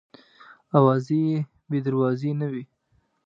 اوازې بې دروازې نه وي.